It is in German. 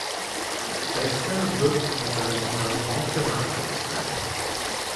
Baxter wirbt mit seinem Engagement für Nachhaltigkeit.